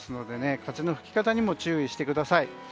風の吹き方にも注意してください。